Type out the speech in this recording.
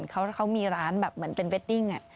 เขามีร้านแบบเหมือนเป็นเวดดิ้ง